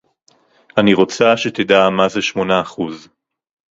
אני רוצה שתדע מה זה שמונה אחוז